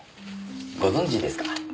ご存じですか？